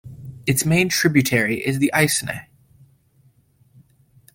Its main tributary is the Aisne.